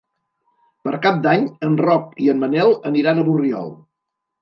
Per Cap d'Any en Roc i en Manel aniran a Borriol.